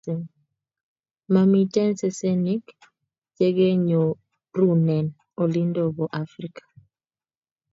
Mamiten sesenik chegenyorunen olindo bo Africa